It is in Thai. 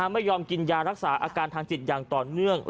ไม่ยอมกินยารักษาอาการทางจิตอย่างต่อเนื่อง